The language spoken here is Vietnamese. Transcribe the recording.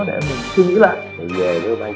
để dạy cho kế hoạch